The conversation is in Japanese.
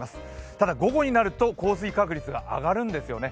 ただ午後になると降水確率が上がるんですよね